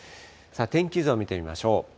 天気図を見てみましょう。